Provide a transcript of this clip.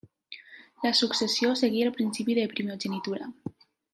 La successió seguia el principi de primogenitura.